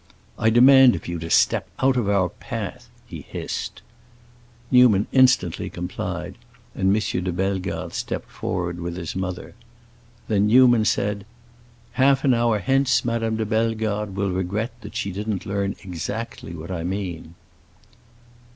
"I demand of you to step out of our path!" he hissed. Newman instantly complied, and M. de Bellegarde stepped forward with his mother. Then Newman said, "Half an hour hence Madame de Bellegarde will regret that she didn't learn exactly what I mean."